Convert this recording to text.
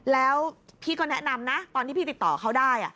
แล้วพี่ก็แนะนำนะตอนที่พี่ติดต่อเขาได้